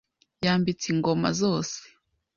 Yambitse ingoma zose